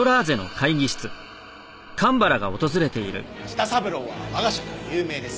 舌三郎は我が社では有名です。